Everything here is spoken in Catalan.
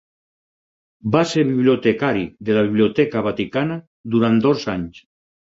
Va ser bibliotecari de la Biblioteca Vaticana durant dos anys.